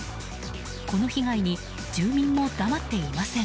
この被害に住民も黙っていません。